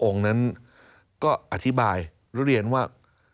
๖องค์นั้นก็อธิบายรุเรียนว่า